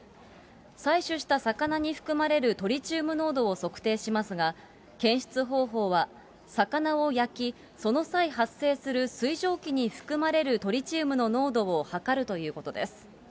採取した魚に含まれるトリチウム濃度を測定しますが、検出方法は魚を焼き、その際発生する水蒸気に含まれるトリチウムの濃度を測るということです。